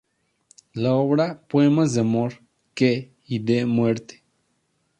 La obra "Poemas de amor", que y de muerte.